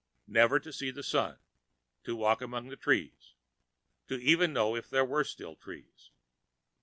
Never to see the Sun, to walk among the trees or even know if there were still trees.